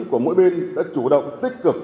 của mỗi bên đã chủ động tích cực